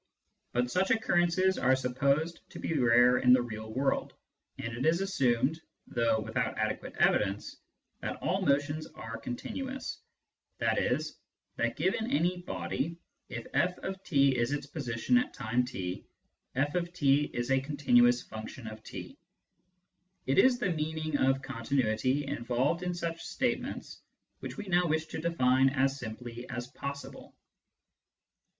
But such occur rences are supposed to be rare in the real world, and it is assumed, though without adequate evidence, that all motions are continu ous, i.e. that, given any body, if/(i) is its position at time t,/(t) is a continuous function of t. It is the meaning of " continuity " involved in such statements which we now wish to define as simply as possible.